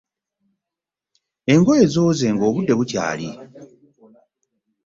Engoye zooze nga obudde bukyali.